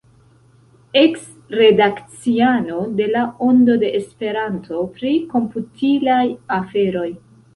Eks-redakciano de La Ondo de Esperanto pri komputilaj aferoj.